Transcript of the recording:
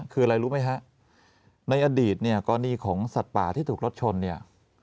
คืออะไรรู้ไหมฮะในอดีตเนี่ยกรณีของสัตว์ป่าที่ถูกรถชนเนี่ย